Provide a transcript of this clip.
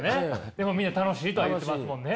でもみんな楽しいとは言ってますもんね。